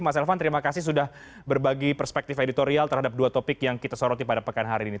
mas elvan terima kasih sudah berbagi perspektif editorial terhadap dua topik yang kita soroti pada pekan hari ini